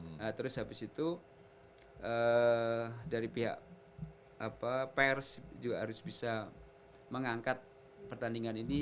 nah terus habis itu dari pihak pers juga harus bisa mengangkat pertandingan ini